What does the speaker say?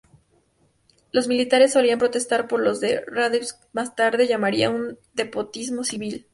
Los militares solían protestar por lo que Radetzky más tarde llamaría un "despotismo civil".